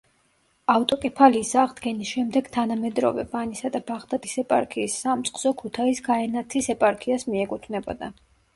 ავტოკეფალიის აღდგენის შემდეგ თანამედროვე ვანისა და ბაღდათის ეპარქიის სამწყსო ქუთაის-გაენათის ეპარქიას მიეკუთვნებოდა.